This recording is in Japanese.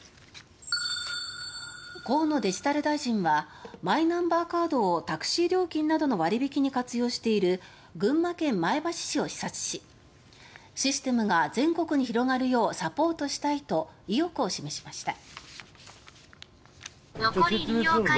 河野デジタル大臣はマイナンバーカードをタクシー料金などの割引に活用している群馬県前橋市を視察しシステムが全国に広がるようサポートしたいと意欲を示しました。